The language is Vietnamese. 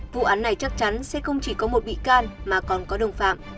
vụ án này chắc chắn sẽ không chỉ có một bị can mà còn có đồng phạm